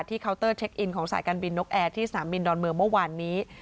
เคาน์เตอร์เช็คอินของสายการบินนกแอร์ที่สนามบินดอนเมืองเมื่อวานนี้